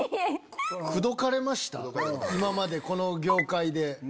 今までこの業界で。